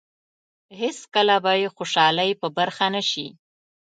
هېڅکله به یې خوشالۍ په برخه نه شي.